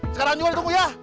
sekarang juga ditunggu ya